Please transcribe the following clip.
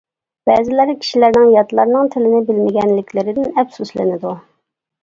بەزىلەر كىشىلەرنىڭ ياتلارنىڭ تىلىنى بىلمىگەنلىكلىرىدىن ئەپسۇسلىنىدۇ.